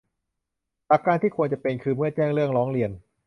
หลักการที่ควรจะเป็นคือ เมื่อแจ้งเรื่องร้องเรียน